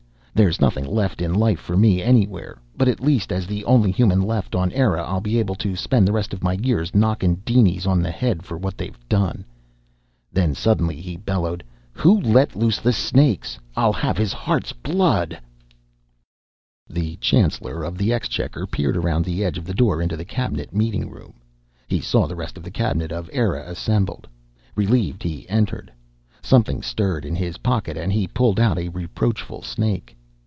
There's nothing left in life for me anywhere, but at least, as the only human left on Eire I'll be able to spend the rest of my years knockin' dinies on the head for what they've done!" Then, suddenly, he bellowed. "Who let loose the snakes! I'll have his heart's blood "The Chancellor of the Exchequer peered around the edge of the door into the cabinet meeting room. He saw the rest of the cabinet of Eire assembled. Relieved, he entered. Something stirred in his pocket and he pulled out a reproachful snake.